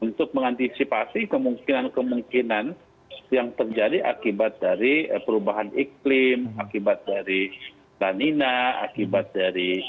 untuk mengantisipasi kemungkinan kemungkinan yang terjadi akibat dari perubahan iklim akibat dari lanina akibat dari